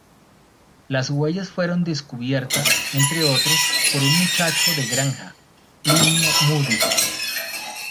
Las huellas fueron descubiertas, entre otros, por un muchacho de granja, Plinio Moody.